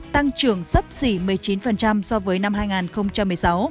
tăng trưởng sấp xỉ một mươi chín so với năm hai nghìn một mươi sáu